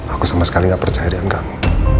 aku sama sekali gak percaya dengan kamu